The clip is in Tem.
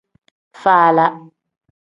Faala.